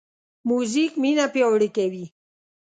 موزیک مینه پیاوړې کوي.